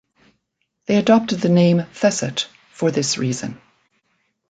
They adopted the name 'Theset' for this reason.